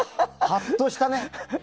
はっとしたね。